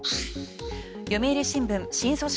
読売新聞、新組織。